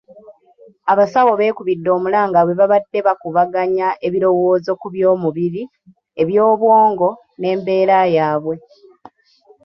Abasawo beekubidde omulanga bwe baabadde bakubaganya ebirowoozo ku by'omubiri, eby'obwongo n'embeera yaabwe.